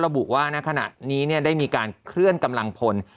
ระบุว่าณขณะนี้ได้มีการเคลื่อนกำลังพล